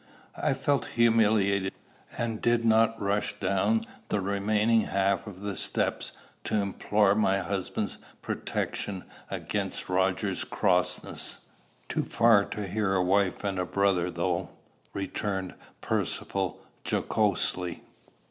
I felt humiliated, and did not rush down the remaining half of the steps to implore my husband's protection against Roger's crossness. "Too far to hear a wife and a brother, though," returned Percivale jocosely.